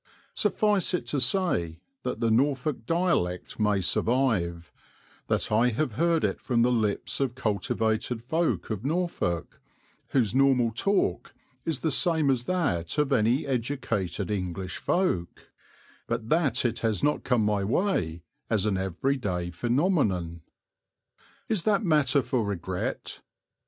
Suffice it to say that the Norfolk dialect may survive, that I have heard it from the lips of cultivated folk of Norfolk, whose normal talk is the same as that of any educated English folk, but that it has not come my way as an every day phenomenon. Is that matter for regret?